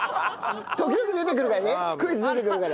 時々出てくるからねクイズ出てくるから。